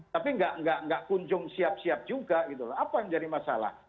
tapi tidak kunjung siap siap juga apa yang menjadi masalah